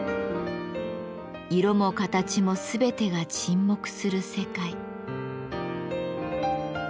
色も形も全てが沈黙する世界。